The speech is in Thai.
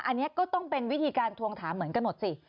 อันนี้ก็ต้องเป็นวิธีการทวงถามเหมือนกันหมดสิ